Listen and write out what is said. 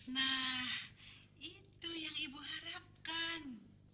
nah itu yang ibu harapkan